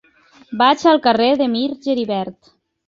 Vaig al carrer de Mir Geribert.